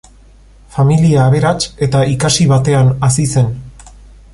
Familia aberats eta ikasi batean hazi zen.